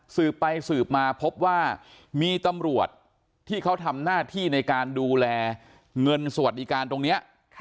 สืบไปสืบมาพบว่ามีตำรวจที่เขาทำหน้าที่ในการดูแลเงินสวัสดิการตรงนี้